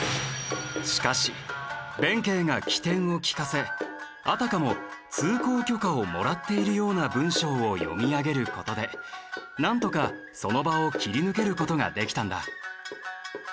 しかし弁慶が機転を利かせあたかも通行許可をもらっているような文章を読み上げる事でなんとかその場を切り抜ける事ができたんだ。